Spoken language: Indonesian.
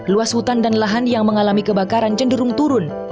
luas hutan dan lahan yang mengalami kebakaran cenderung turun